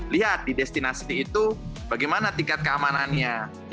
lihat di destinasi itu bagaimana tingkat keamanannya